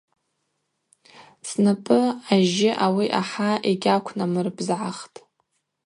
Снапӏы ажьы ауи ахӏа йгьаквнамырбзгӏахтӏ.